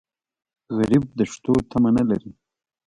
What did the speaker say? غریب د شتو تمه نه لري